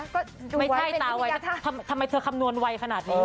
ก็ไม่ใช่ตาวัยทำไมเธอคำนวณไวขนาดนี้